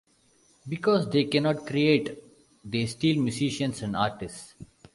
Because they cannot create they steal musicians and artists.